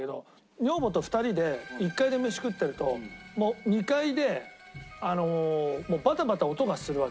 女房と２人で１階で飯食ってるともう２階でバタバタ音がするわけ。